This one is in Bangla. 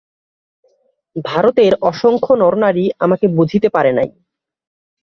ভারতের অসংখ্য নরনারী আমাকে বুঝিতে পারে নাই।